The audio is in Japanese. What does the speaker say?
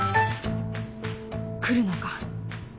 くるのか？